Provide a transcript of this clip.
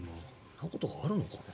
そんなことあるのかな。